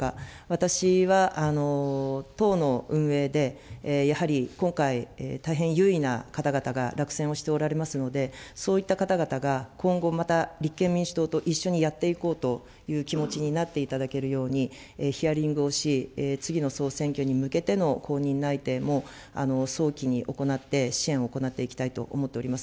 私は党の運営で、やはり今回、大変有為な方々が落選をしておられますので、そういった方々が今後、また立憲民主党と一緒にやっていこうという気持ちになっていただけるように、ヒアリングをし、次の総選挙に向けての公認内定も早期に行って、支援を行っていきたいと思っております。